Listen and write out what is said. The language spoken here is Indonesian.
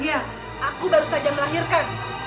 iya aku baru saja melahirkan